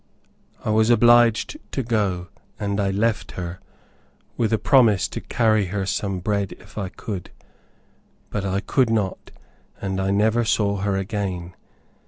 I was obliged to go, and I left her, with a promise to carry her some bread if I could. But I could not, and I never saw her again.